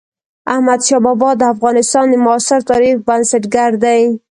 احمد شاه بابا د افغانستان د معاصر تاريخ بنسټ ګر دئ.